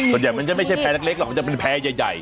ส่วนใหญ่มันจะไม่ใช่แพร่เล็กหรอกมันจะเป็นแพร่ใหญ่